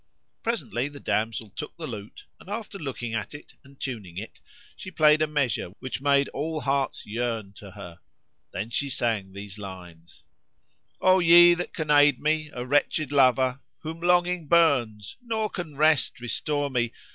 Presently the damsel took the lute and, after looking at it and tuning it, she played a measure which made all hearts yearn to her; then she sang these lines, "O ye that can aid me, a wretched lover, * Whom longing burns nor can rest restore me!